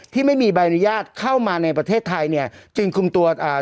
ที่ไม่มีใบอนุญาตเข้ามาในประเทศไทยเนี่ยจึงคุมตัวอ่า